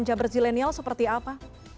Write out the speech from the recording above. bagaimana teman teman jabar zilenial seperti apa